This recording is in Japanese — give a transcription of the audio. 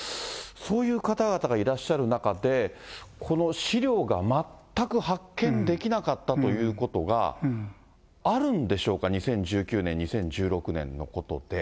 そういう方々がいらっしゃる中で、この資料が全く発見できなかったということがあるんでしょうか、２０１９年、２０１６年のことで。